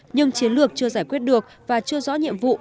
nhưng chiến lược chưa giải quyết được và chưa rõ nhiệm vụ